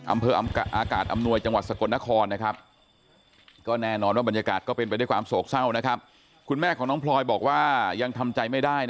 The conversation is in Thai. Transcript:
อำเภออากาศอำนวยจังหวัดสกลนครนะครับก็แน่นอนว่าบรรยากาศก็เป็นไปด้วยความโศกเศร้านะครับคุณแม่ของน้องพลอยบอกว่ายังทำใจไม่ได้